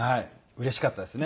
うれしかったですね。